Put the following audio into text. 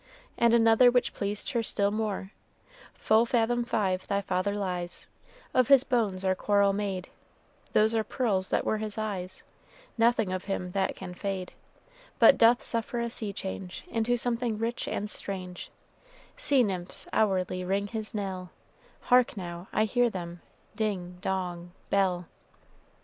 And another which pleased her still more: "Full fathom five thy father lies; Of his bones are coral made, Those are pearls that were his eyes: Nothing of him that can fade But doth suffer a sea change Into something rich and strange; Sea nymphs hourly ring his knell: Hark, now I hear them ding dong, bell."